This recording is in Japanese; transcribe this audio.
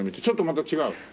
ちょっとまだ違う？